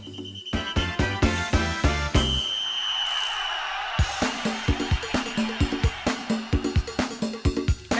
สุดท้าย